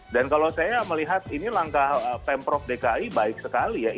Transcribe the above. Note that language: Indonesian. dan kalau saya melihat ini langkah pemprov dki baik sekali ya